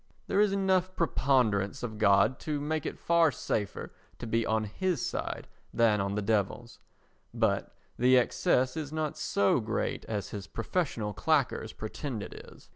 There is enough preponderance of God to make it far safer to be on his side than on the Devil's, but the excess is not so great as his professional claqueurs pretend it is.